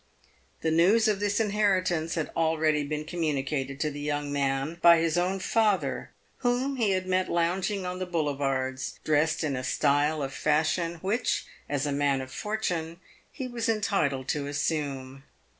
The news of this inheritance had already been communicated to the young man by his own father, whom he had met lounging on the Boulevards, dressed in a style of fashion which, as a man of fortune, he was entitled to assume.